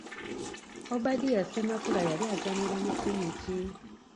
Obadia Ssemakula yali azannyira mu ttiimu ki ?